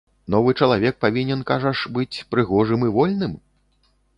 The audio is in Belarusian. Новы чалавек павінен, кажаш, быць прыгожым і вольным?